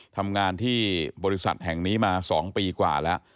ทำงานที่บริษัทแห่งนี้มา๒ปีกว่าแล้ว